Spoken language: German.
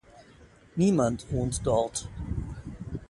Niemand wohnt dort.